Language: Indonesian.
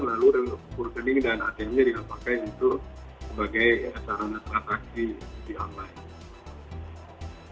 lalu rekening dan atm nya digunakan untuk sebagai sarana transaksi judi online